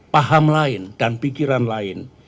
paham lain dan pikiran lain